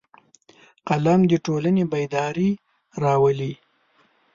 قلم د ټولنې بیداري راولي